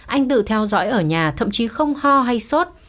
anh tự theo dõi ở nhà thậm chí không ho hay sốt